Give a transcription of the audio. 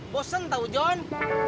bosan tau jon